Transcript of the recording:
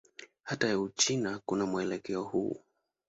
Hata Uchina kuna mwelekeo huu.